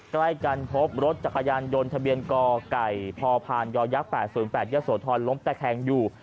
ใกล้กันพบรถจักรยานยนต์ทะเบียนก่อไก่พอผ่านยาวยักษ์๘๐๘ยศวทรล้มแต่แคงอยู่